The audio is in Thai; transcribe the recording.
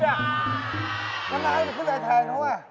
ฮ่าคุณให้ไหนแทนเค้า